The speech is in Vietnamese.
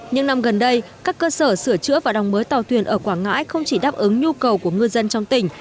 những năm gần đây các cơ sở sửa chữa và đóng mới tàu thuyền ở quảng ngãi không chỉ đáp ứng nhu cầu của ngư dân trong tỉnh